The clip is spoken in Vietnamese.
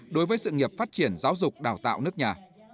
đối với sự nghiệp phát triển giáo dục đào tạo nước nhà